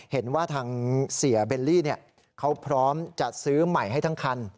เห็นว่าทางเสียเบลลี่เขาพร้อมจะซื้อใหม่ให้ทั้งคัน